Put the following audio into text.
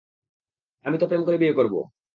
আমি তো প্রেম করে বিয়ে করবো।